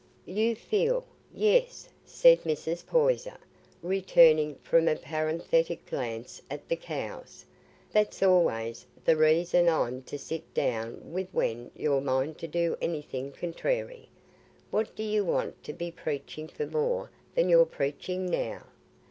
"You feel! Yes," said Mrs. Poyser, returning from a parenthetic glance at the cows, "that's allays the reason I'm to sit down wi', when you've a mind to do anything contrairy. What do you want to be preaching for more than you're preaching now?